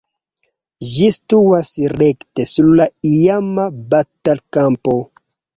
Ĝi situas rekte sur la iama batalkampo.